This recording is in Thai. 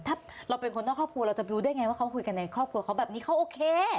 ถ้าเราเป็นคนนอกครอบครัวเราจะรู้ได้ไงว่าเขาคุยกันในครอบครัวเขาแบบนี้เขาโอเค